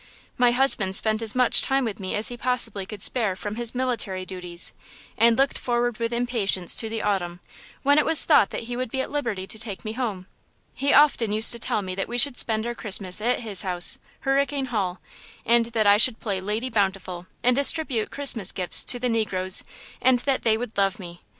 My husband spent as much time with me as he possibly could spare from his military duties, and looked forward with impatience to the autumn, when it was thought that he would be at liberty to take me home. He often used to tell me that we should spend our Christmas at his house, Hurricane Hall, and that I should play Lady Bountiful and distribute Christmas gifts to the negroes and that they would love me.